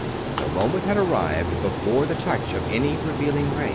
The moment had arrived, before the touch of any revealing ray.